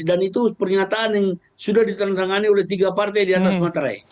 dan itu pernyataan yang sudah ditentangkan oleh tiga partai di atas materai